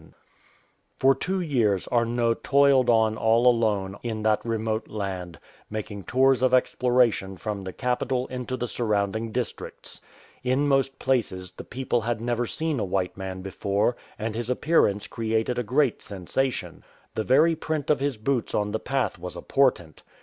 167 CHEETAHS AND HYENAS For two years Arnot toiled on all alone in that remote land, making tours of exploration from the capital into the surrounding districts. In most places the people had never seen a white man before, and his appearance created a great sensation. The very print of his boots on the path was a portent.